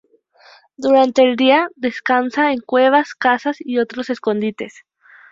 Durante el día descansan en cuevas, casas y otros escondites.